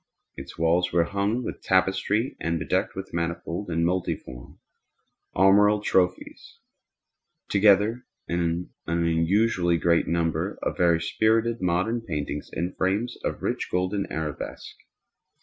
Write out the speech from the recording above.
Its walls were hung with tapestry and bedecked with manifold and multiform armorial trophies, together with an unusually great number of very spirited modern paintings in frames of rich golden arabesque.